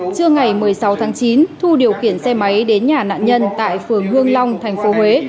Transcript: trưa ngày một mươi sáu tháng chín thu điều kiển xe máy đến nhà nạn nhân tại phường hương long thành phố huế